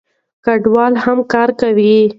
کډوال هم کار کوي.